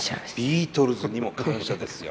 ビートルズにも感謝ですよ。